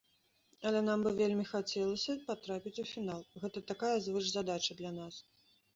Але нам бы вельмі хацелася патрапіць у фінал, гэта такая звышзадача для нас.